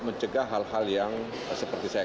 mencegah hal hal yang seperti saya